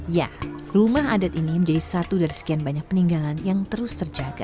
ya rumah adat ini menjadi satu dari sekian banyak peninggalan yang terus terjaga